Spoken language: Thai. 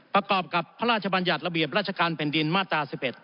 ประกอบกับพระราชบัญญัติระเบียบราชการแผ่นดินมาตรา๑๑